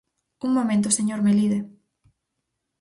Un momento, señor Melide.